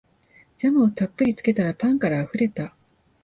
ジャムをたっぷりつけたらパンからあふれた